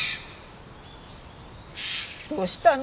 どうしたの？